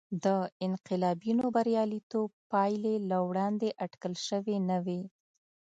د انقلابینو بریالیتوب پایلې له وړاندې اټکل شوې نه وې.